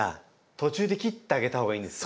途中で切ってあげたほうがいいんですね。